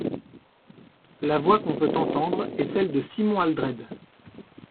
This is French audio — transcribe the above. La voix qu'on peut entendre est celle de Simon Aldred.